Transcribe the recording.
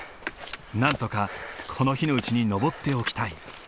なんとかこの日のうちに登っておきたい。